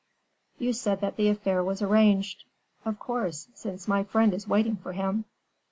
"You said that the affair was arranged." "Of course! since my friend is waiting for him."